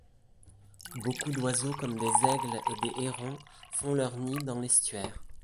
Beaucoup d'oiseaux comme des aigles et des hérons font leur nid dans l'estuaire.